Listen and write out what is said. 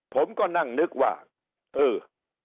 ผมก็นั่งนึกว่าเออ